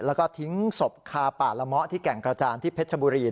แล้วก็ทิ้งศพคาป่าละเมาะที่แก่งกระจานที่เพชรชบุรี